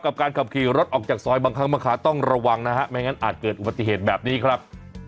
กับการขับขี่รถออกจากซอยบางครั้งบางครั้งต้องระวังนะฮะไม่งั้นอาจเกิดอุบัติเหตุแบบนี้ครับ